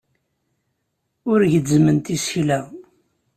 Ur gezzment isekla.